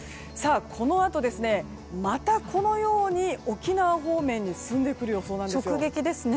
このあと、またこのように沖縄方面に進んでくる予想なんですよ。